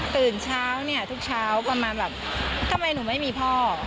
ตื่นเช้าเนี่ยทุกเช้าประมาณแบบทำไมหนูไม่มีพ่อ